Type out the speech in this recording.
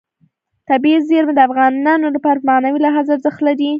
طبیعي زیرمې د افغانانو لپاره په معنوي لحاظ ارزښت لري.